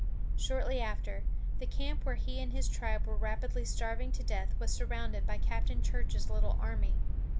Shortly after, the camp where he and his tribe were rapidly starving to death was surrounded by Captain Church's little army.